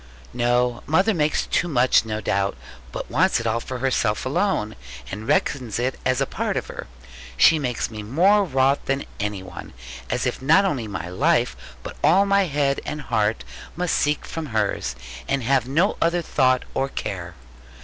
'No, mother makes too much, no doubt; but wants it all for herself alone; and reckons it as a part of her. She makes me more wroth than any one: as if not only my life, but all my head and heart must seek from hers, and have no other thought or care.'